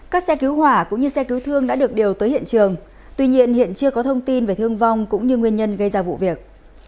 các xe cứu hỏa cũng như xe cứu thương đã được điều tới hiện trường tuy nhiên hiện chưa có thông tin về thương vong cũng như nguyên nhân gây ra vụ việc